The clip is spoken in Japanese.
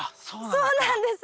そうなんです。